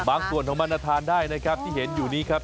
ส่วนของมันทานได้นะครับที่เห็นอยู่นี้ครับ